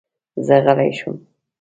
زه غلی شوم.